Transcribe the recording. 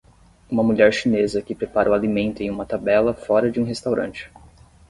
Uma mulher chinesa que prepara o alimento em uma tabela fora de um restaurante.